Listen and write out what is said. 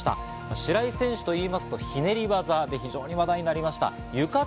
白井選手といえば、ひねり技で非常に話題になりました。